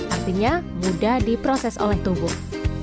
artinya mudah diproses oleh tubuh